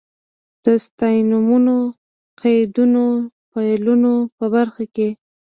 د ستاینومونو، قیدونو، فعلونو په برخه کې.